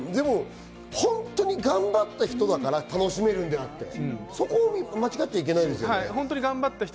けど頑張った人だから楽しめるのであってそこ間違っちゃいけないですよね。